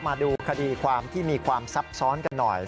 มาดูคดีความที่มีความซับซ้อนกันหน่อย